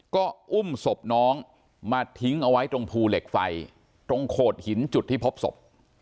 ก็อุ้มศพน้องมาทิ้งเอาไว้ตรงภูเหล็กไฟตรงโขดหินจุดที่พบศพ